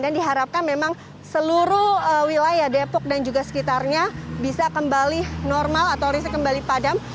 dan diharapkan memang seluruh wilayah depok dan juga sekitarnya bisa kembali normal atau listrik kembali padam